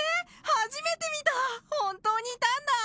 初めて見た本当にいたんだ！